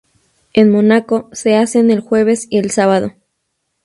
En Mónaco, se hacen el jueves y el sábado.